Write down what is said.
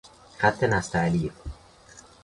خط نستعلیق